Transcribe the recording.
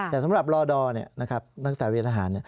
แต่สำหรับรอดดอนักศึกษาวิทยาทหาร